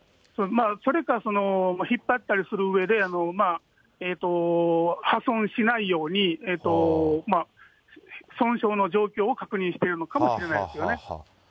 それか、引っ張ったりするうえで、破損しないように、損傷の状況を確認しているのかもしれないですよね。